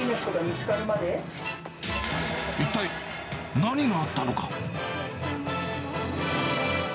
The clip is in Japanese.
一体、何があったのか？